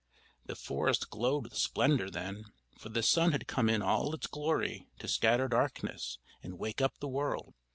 The forest glowed with splendor then, for the sun had come in all its glory to scatter darkness and wake up the world.